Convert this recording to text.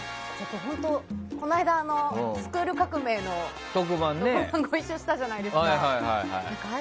本当、この間「スクール革命！」の特番でご一緒したじゃないですか。